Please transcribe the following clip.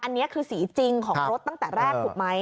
อันนี้คือสีจริงของรถตั้งแต่แรกถูกไหม